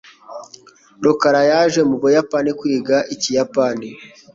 Rukara yaje mu Buyapani kwiga Ikiyapani.